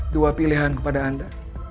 dua pilihan kepada anda